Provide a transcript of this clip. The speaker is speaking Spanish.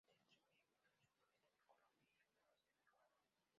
Se distribuye por el sudoeste de Colombia y el noroeste de Ecuador.